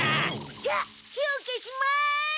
じゃ火を消します！